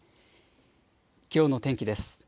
きょうの天気です。